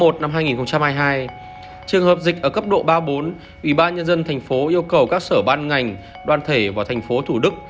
trường hợp dịch ở cấp độ ba bốn ủy ban nhân dân thành phố yêu cầu các sở ban ngành đoàn thể và thành phố thủ đức